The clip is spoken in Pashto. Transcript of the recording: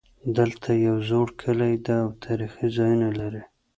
دلته یو زوړ کلی ده او تاریخي ځایونه لري